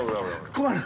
困る！